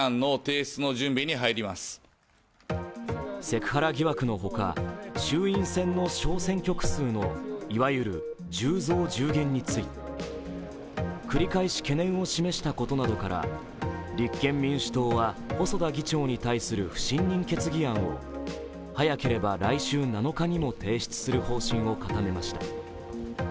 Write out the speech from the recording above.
セクハラ疑惑の他、衆院選の小選挙区区のいわゆる１０増１０減について繰り返し懸念を示したことなどから立憲民主党は細田議長に対する不信任決議案を早ければ来週７日にも提出する方針を固めました。